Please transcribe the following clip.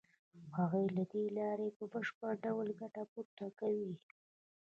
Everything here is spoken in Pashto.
هغوی له دې لارې په بشپړ ډول ګټه پورته کوي